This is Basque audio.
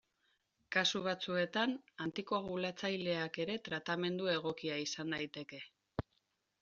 Kasu batzuetan, antikoagulatzaileak ere tratamendu egokia izan daiteke.